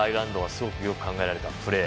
すごくよく考えられたプレー。